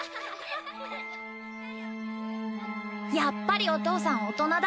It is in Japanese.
やっぱりお父さん大人だ